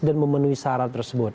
dan memenuhi syarat tersebut